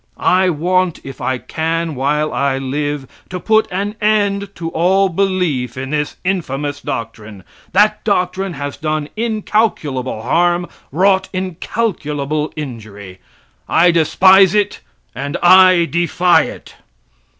I want, if I can while I live, to put an end to all belief in this infamous doctrine. That doctrine has done incalculable harm, wrought incalculable injury. I despise it, and I defy it.